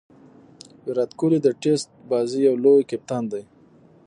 ویرات کهولي د ټېسټ بازي یو لوی کپتان دئ.